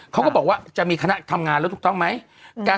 เขาก็บอกว่าจะมีคณะทำงานแล้วถูกต้องไหม